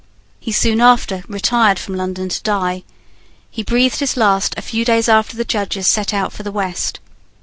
He soon after retired from London to die. He breathed his last a few days after the Judges set out for the West.